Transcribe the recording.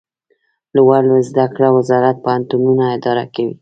لوړو زده کړو وزارت پوهنتونونه اداره کوي